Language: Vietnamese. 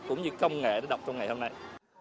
cũng như công nghệ để đọc trong ngày hôm nay